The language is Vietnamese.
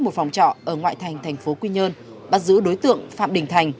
một phòng trọ ở ngoại thành thành phố quy nhơn bắt giữ đối tượng phạm đình thành